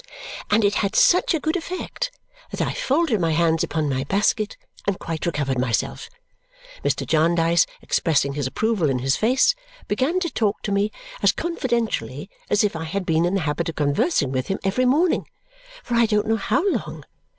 And it had such a good effect that I folded my hands upon my basket and quite recovered myself. Mr. Jarndyce, expressing his approval in his face, began to talk to me as confidentially as if I had been in the habit of conversing with him every morning for I don't know how long.